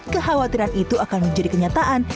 kekhawatiran itu akan menjadi kenyataan